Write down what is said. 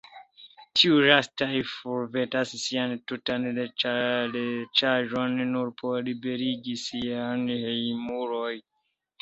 Tiuj lastaj forvendas sian tutan riĉaĵon, nur por liberigi siajn hejmulojn.